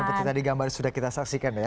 seperti tadi gambar sudah kita saksikan ya